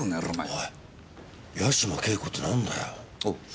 おい八島景子って何だよ？